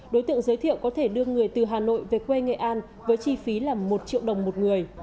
đối tượng giới thiệu có thể đưa người từ hà nội về quê nghệ an với chi phí là một triệu đồng một người